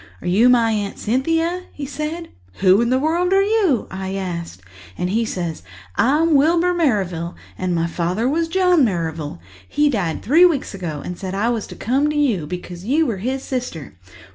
'Are you my Aunt Cynthia?' he said. 'Who in the world are you?' I asked. And he says, 'I'm Wilbur Merrivale, and my father was John Merrivale. He died three weeks ago and he said I was to come to you, because you were his sister.'